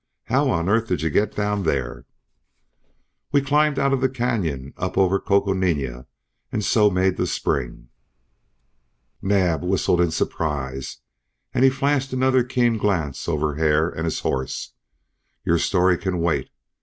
How on earth did you get down there?" "We climbed out of the canyon up over Coconina, and so made the spring." Naab whistled in surprise and he flashed another keen glance over Hare and his horse. "Your story can wait.